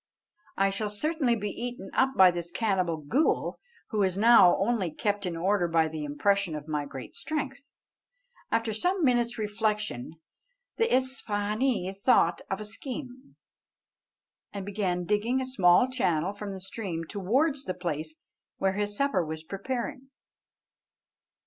I shall certainly be eaten up by this cannibal ghool, who is now only kept in order by the impression of my great strength." After some minutes' reflection the Isfahânee thought of a scheme, and began digging a small channel from the stream towards the place where his supper was preparing.